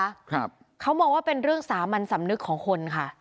ครับเขามองว่าเป็นเรื่องสามัญสำนึกของคนค่ะ